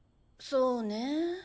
そうね